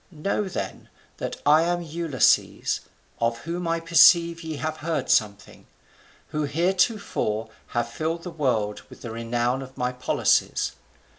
Know, then, that I am that Ulysses, of whom I perceive ye have heard something; who heretofore have filled the world with the renown of my policies.